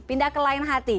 pindah ke lain hati